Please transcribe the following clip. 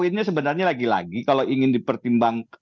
poinnya sebenarnya lagi lagi kalau ingin dipertimbangkan